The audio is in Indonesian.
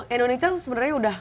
indonesia tuh sebenarnya udah